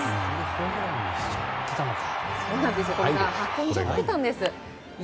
ホームランにしちゃってたのか。